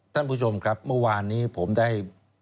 ท่านผู้ชมครับเมื่อวานนี้ผมได้